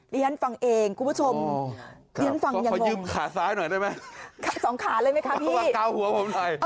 เรียนฟังเองกลุ่มผู้ชมเขายืมขาซ้ายหน่อยได้ไหม